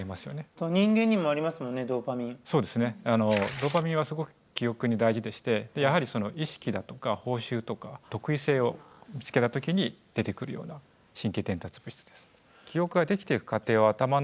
ドーパミンはすごく記憶に大事でしてやはり意識だとか報酬とか特異性を見つけた時に出てくるような神経伝達物質です。